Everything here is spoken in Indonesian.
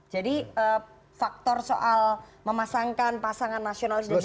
jadi faktor soal memasangkan pasangan nasionalis religius